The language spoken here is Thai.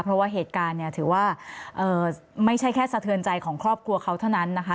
เพราะว่าเหตุการณ์เนี่ยถือว่าไม่ใช่แค่สะเทือนใจของครอบครัวเขาเท่านั้นนะคะ